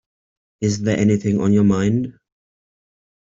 Is there anything on your mind?